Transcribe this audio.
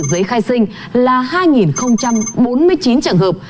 giấy khai sinh là hai bốn mươi chín trường hợp